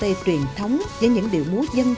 lễ hội ca tê truyền thống với những điệu múa dân gian chăm